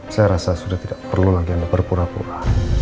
saya rasa sudah tidak perlu lagi anda berpura pura